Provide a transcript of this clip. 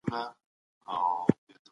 خوشحالي په قناعت کي ده.